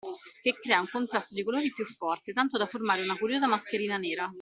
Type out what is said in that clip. Che crea un contrasto di colori più forte tanto da formare una curiosa mascherina nera.